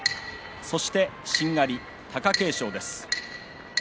そしてしんがり貴景勝です。